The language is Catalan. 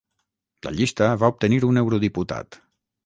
La llista va obtenir un eurodiputat.